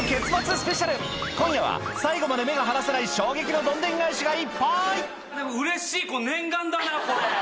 スペシャル今夜は最後まで目が離せない衝撃のどんでん返しがいっぱいうれしい念願だなこれ。